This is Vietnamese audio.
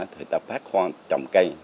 thì ta phát khoa trồng cây